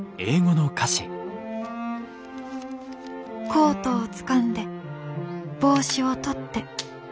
「コートをつかんで帽子を取って」。